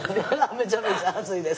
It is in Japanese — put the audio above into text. めちゃめちゃ暑いです。